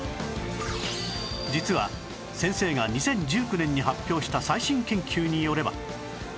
実は先生が２０１９年に発表した最新研究によれば